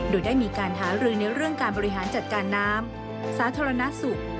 โดยได้มีการหารือในเรื่องการบริหารจัดการน้ำสาธารณสุข